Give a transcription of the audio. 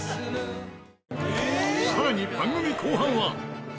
更に番組後半は